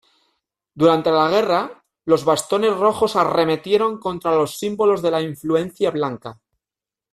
Durante la guerra, los bastones rojos arremetieron contra los símbolos de la influencia blanca.